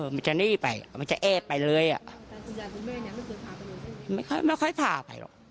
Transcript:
มันเคยพาไปโย้ไม่ค่อยไม่ค่อยพาไปหรอก